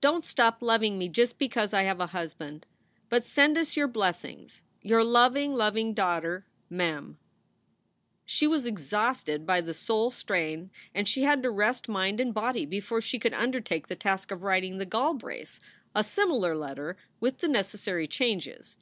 Dont stop loveing me just because I have a husband. But send us your blessings. Your loveing, loveing daughter MEM. She was exhausted by the soul strain and she had to rest mind and body before she could undertake the task of writing the Galbraiths a similar letter with the necessary changes.